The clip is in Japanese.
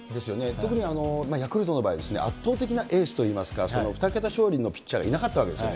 特に、ヤクルトの場合ですね、圧倒的なエースといいますか、２桁勝利のピッチャーがいなかったわけですよね。